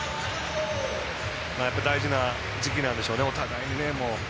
やっぱり大事な時期なんでしょうお互いに。